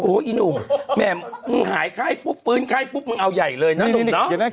อีหนุ่มแม่มึงหายไข้ปุ๊บฟื้นไข้ปุ๊บมึงเอาใหญ่เลยนะหนุ่มเนาะ